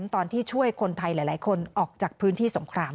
ตอนที่ช่วยคนไทยหลายคนออกจากพื้นที่สงคราม